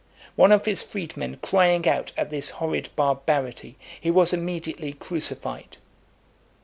One of his freedmen crying out at this horrid barbarity, he was immediately crucified.